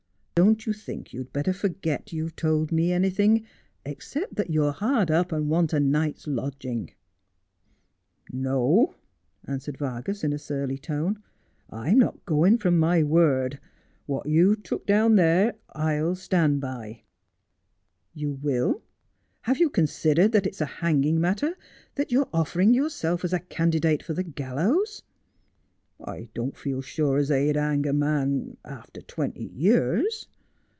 Don't you think you'd better forget you've told me anything, except that you're hard up and want a night's lodging ?'' No,' answered Vargas, in a surly tone, ' I'm not going from my word. What you've took down there I'll stand by.' ' You will 1 Have you considered that it's a hanging matter 1 That you are offering yourself as a candidate for the gallows 1 '' I don't feel sure as they'd hang a man — after twenty years.'